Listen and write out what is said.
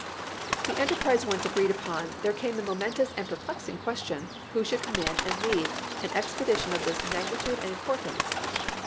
The enterprise once agreed upon, there came the momentous and perplexing question, who should command and lead an expedition of this magni tude and importance